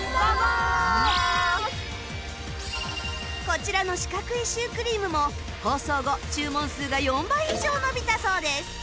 こちらの四角いシュークリームも放送後注文数が４倍以上伸びたそうです